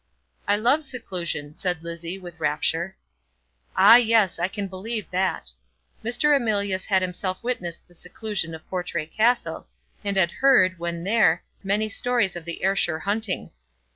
"I love seclusion," said Lizzie, with rapture. "Ah, yes; I can believe that." Mr. Emilius had himself witnessed the seclusion of Portray Castle, and had heard, when there, many stories of the Ayrshire hunting.